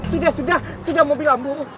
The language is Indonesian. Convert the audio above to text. sudah sudah mau bilang bu